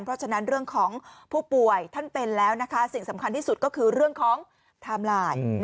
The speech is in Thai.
เพราะฉะนั้นเรื่องของผู้ป่วยท่านเป็นแล้วนะคะสิ่งสำคัญที่สุดก็คือเรื่องของไทม์ไลน์